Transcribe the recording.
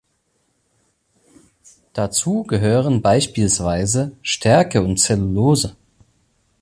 Dazu gehören beispielsweise Stärke und Zellulose.